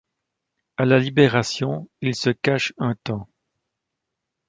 À la Libération, il se cache un temps.